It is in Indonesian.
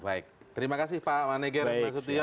baik terima kasih pak maneger mas udion